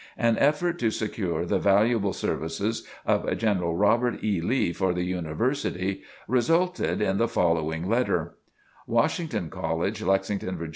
An effort to secure the valuable services of General Robert E. Lee, for the University, resulted in the following letter: WASHINGTON COLLEGE, LEXINGTON, VA.